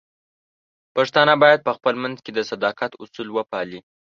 پښتانه بايد په خپل منځ کې د صداقت اصول وپالي.